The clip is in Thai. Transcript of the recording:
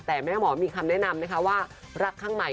แต่แม่หมอมีคำแนะนำนะคะว่า